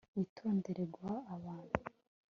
witondere guha abantu